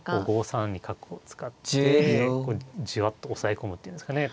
５三に角を使ってじわっと押さえ込むっていうんですかね。